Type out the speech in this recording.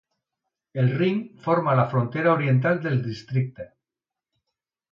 El Rin forma la frontera oriental del districte.